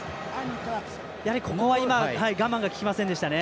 ここは今我慢がききませんでしたね。